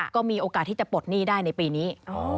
ก็มีโอกาสที่จะปลดหนี้ได้ในปีนี้